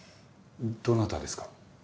どなたですか？